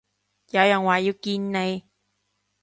有人話要見你